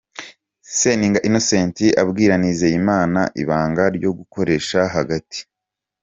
Seninga Innocent abwira Nizeyimana ibanga ryo gukoresha hagati.